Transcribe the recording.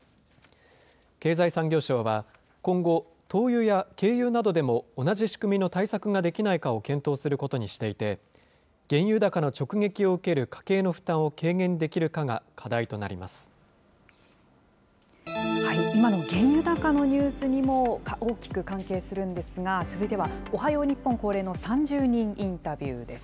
経済産業省は、今後、灯油や軽油などでも同じ仕組みの対策ができないかを検討することにしていて、原油高の直撃を受ける家計の負担を軽減できるかが課今の原油高のニュースにも大きく関係するんですが、続いてはおはよう日本恒例の３０人インタビューです。